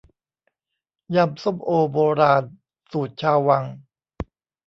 ยำส้มโอโบราณ สูตรชาววัง